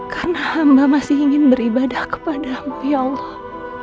karena hamba masih ingin beribadah kepadamu ya allah